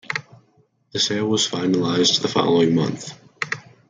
The sale was finalized the following month.